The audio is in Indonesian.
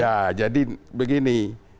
ya jadi begini